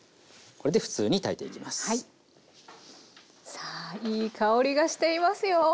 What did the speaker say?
さあいい香りがしていますよ。